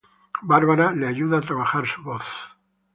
Barbara le ayuda a trabajar su voz.